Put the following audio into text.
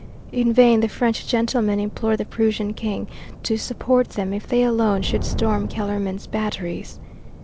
In vain the French gentlemen implored the Prussian King to support them if they alone should storm Kellermann's batteries.